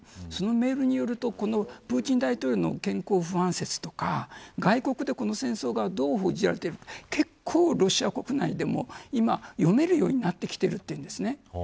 そのメールによるとこのプーチン大統領の健康不安説とか外国でこの戦争がどう報じられているか結構、ロシア国内でも今読めるようになってきているというんです。